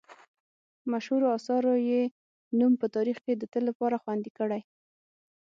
مشهورو اثارو یې نوم په تاریخ کې د تل لپاره خوندي کړی.